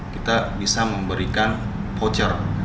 kita bisa memberikan voucher